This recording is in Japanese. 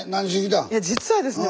いや実はですね